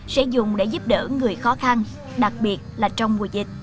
sẽ dùng để giúp đỡ người khó khăn đặc biệt là trong mùa dịch